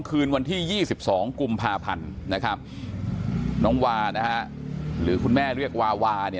คืนวันที่๒๒กุมภาพันธ์นะครับน้องวานะฮะหรือคุณแม่เรียกวาวาเนี่ย